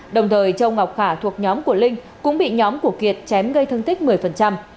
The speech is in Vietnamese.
đồng thời châu ngọc khả thuộc nhóm của linh cũng bị nhóm của kiệt chém gây thương tích một mươi